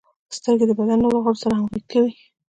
• سترګې د بدن نورو غړو سره همغږي کوي.